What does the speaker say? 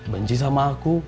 benci sama aku